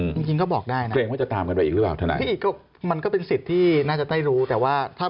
เพราะว่ามะวาน